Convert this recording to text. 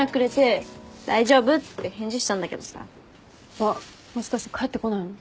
あっもしかして返ってこないの？